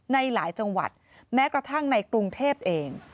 ในหลายจังหวัดแม้กระทั่งในกรุงเทพเอง